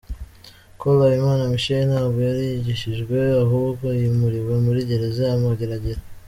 –Col Habimana Michel ntabwo yarigishijwe ahubwo yimuriwe muri Gereza ya Mageragere